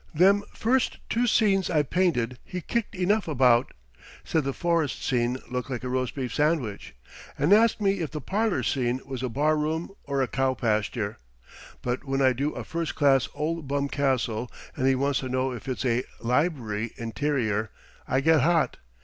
Them first two scenes I painted he kicked enough about: said the forest scene looked like a roast beef sandwich, and asked me if the parlor scene was a bar room or a cow pasture, but when I do a first class old bum castle and he wants to know if it's a lib'ry interior, I get hot.